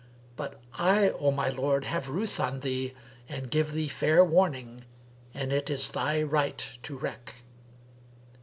But I, O my lord, have ruth on thee and give thee fair warning; and it is thy right to reck."